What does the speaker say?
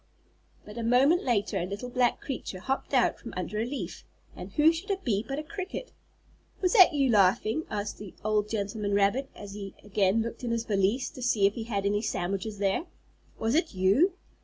But a moment later a little black creature hopped out from under a leaf, and who should it be but a cricket. "Was that you laughing?" asked the old gentleman rabbit, as he again looked in his valise to see if he had any sandwiches there. "Was it you?"